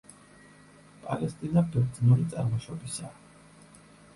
პალესტინა ბერძნული წარმოშობისაა.